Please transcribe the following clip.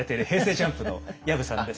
ＪＵＭＰの薮さんです。